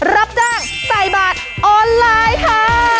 รับจ้างใส่บาทออนไลน์ค่ะ